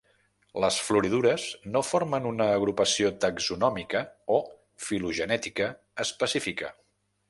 Les floridures no formen una agrupació taxonòmica o filogenètica específica.